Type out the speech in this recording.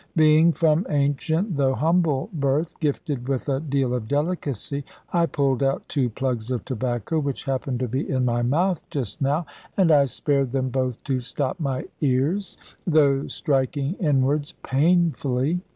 Being, from ancient though humble birth, gifted with a deal of delicacy, I pulled out two plugs of tobacco, which happened to be in my mouth just now, and I spared them both to stop my ears, though striking inwards painfully.